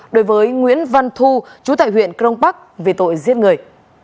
đối với nguyễn văn thu chú tại huyện crong bắc vì tội giết người